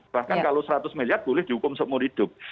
bahkan kalau seratus miliar boleh dihukum seumur hidup